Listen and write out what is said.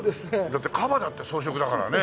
だってカバだって草食だからね。